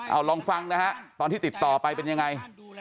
เอาลองฟังนะฮะตอนที่ติดต่อไปเป็นยังไง